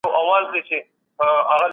د ذمي حقوق بايد مراعات سي.